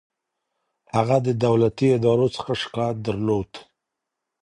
هغه د دولتي ادارو څخه شکايت درلود.